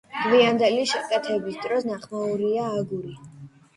გვიანდელი შეკეთების დროს ნახმარია აგური.